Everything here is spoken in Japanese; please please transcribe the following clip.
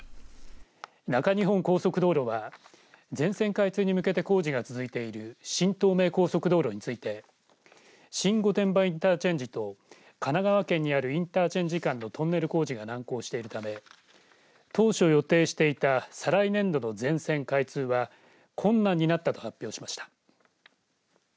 中日本高速道路は全線開通に向けて工事が続いている新東名高速道路について新御殿場インターチェンジと神奈川県にあるインターチェンジ間のトンネル工事が難航しているため当初、予定していた再来年度の全線開通は困難になったと発表しました。